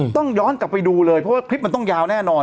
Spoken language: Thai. ต้องย้อนกลับไปดูเลยเพราะว่าคลิปมันต้องยาวแน่นอน